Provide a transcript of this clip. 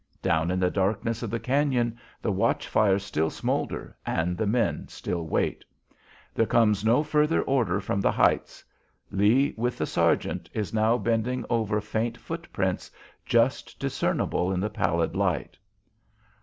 Down in the darkness of the cañon the watch fires still smoulder and the men still wait. There comes no further order from the heights. Lee, with the sergeant, is now bending over faint footprints just discernible in the pallid light.